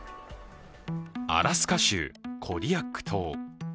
アラスカ州、コディアック島。